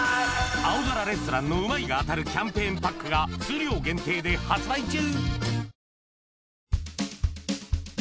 『青空レストラン』のうまい！が当たるキャンペーンパックが数量限定で発売中